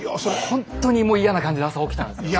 ほんとにもう嫌な感じで朝起きたんですよ。